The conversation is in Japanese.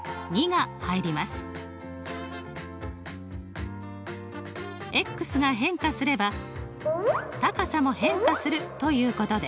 が変化すれば高さも変化するということです。